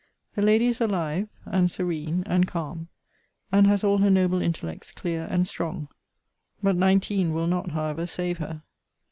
The lady is alive, and serene, and calm, and has all her noble intellects clear and strong: but nineteen will not however save her.